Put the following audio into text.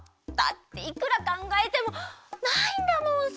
だっていくらかんがえてもないんだもん